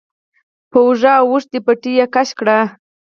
په اوږو اوښتې پټۍ يې کش کړه.